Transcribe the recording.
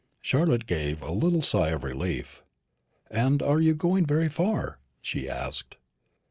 Charlotte gave a little sigh of relief. "And are you going very far?" she asked.